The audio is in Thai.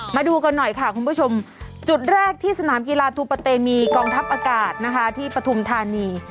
มาดูกันหน่อยค่ะคุณผู้ชมจุดแรกที่สนามกีฬาทูปะเตมีกองทัพอากาศนะคะที่ปฐุมธานี